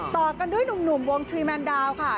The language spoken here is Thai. ต่อกันด้วยหนุ่มวงทรีแมนดาวค่ะ